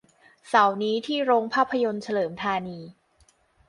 เสาร์นี้ที่โรงภาพยนตร์เฉลิมธานี